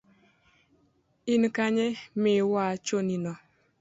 In kanye miwachonino?